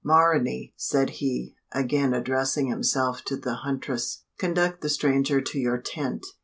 "Ma ra nee!" said he, again addressing himself to the huntress, "conduct the stranger to your tent!